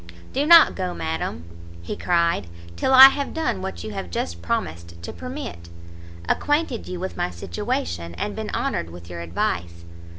"Do not go, madam," he cried, "till I have done what you have just promised to permit, acquainted you with my situation, and been honoured with your advice.